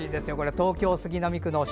東京・杉並区の招聘